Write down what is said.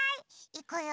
いくよ。